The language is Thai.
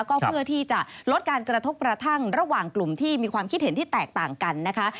ก็เพื่อที่จะลดการกระทบกระทั่งระหว่างกลุ่มที่มีความคิดเห็นที่แตกต่างกันนะคะ